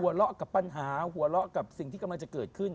เลาะกับปัญหาหัวเราะกับสิ่งที่กำลังจะเกิดขึ้น